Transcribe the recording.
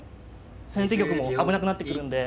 先手玉も危なくなってくるんで。